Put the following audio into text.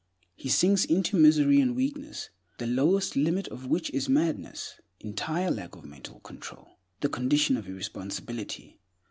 He sinks into misery and weakness, the lowest limit of which is madness, entire lack of mental control, the condition of irresponsibility.